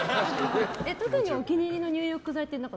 特にお気に入りの入浴剤は？